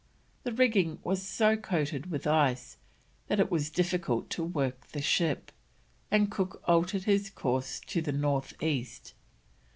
The rigging was so coated with ice that it was difficult to work the ship, and Cook altered his course to the north east.